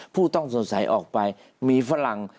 ผู้ต้องสงสัยออกไปมีฝรั่ง